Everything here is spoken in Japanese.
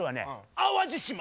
淡路島！